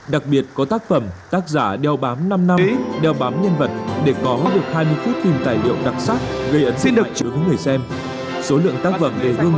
đặc biệt có tác phẩm tác giả đeo bám năm năm đeo bám nhân vật để có được hai mươi khúc hình tài liệu đặc sắc gây ấn xin được chứa với người xem